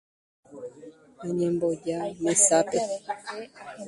Añemboja mesápe